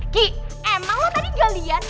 ki emang lo tadi galian